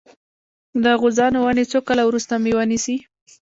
د غوزانو ونې څو کاله وروسته میوه نیسي؟